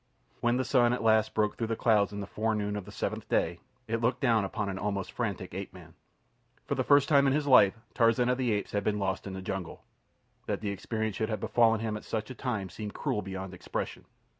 When the sun at last broke through the clouds in the fore noon of the seventh day, it looked down upon an almost frantic ape man. For the first time in his life, Tarzan of the Apes had been lost in the jungle. That the experience should have befallen him at such a time seemed cruel beyond expression.